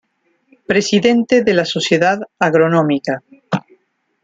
Presidente de la Sociedad Agronómica.